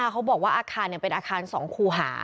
เขาบอกว่าอาคารเป็นอาคาร๒คูหา